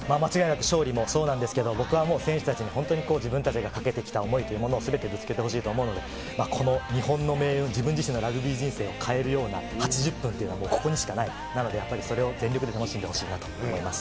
勝利もそうなんですけれども、選手たちに自分がかけてきた思いを全てぶつけてほしいと思うので、日本の命運、自分自身のラグビー人生を変えるような８０分はここにしかない、それを全力で楽しんでほしいなと思います。